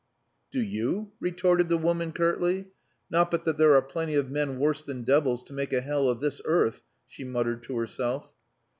"Do you?" retorted the woman curtly. "Not but that there are plenty of men worse than devils to make a hell of this earth," she muttered to herself.